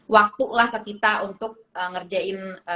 waktu lah ke kita untuk ngerjain